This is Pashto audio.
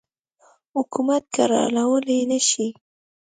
حکومت کرارولای نه شي.